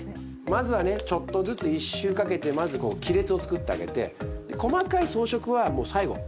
まずはねちょっとずつ１周かけてまずこう亀裂をつくってあげて細かい装飾はもう最後。